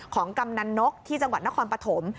กำนันนกที่จังหวัดนครปฐม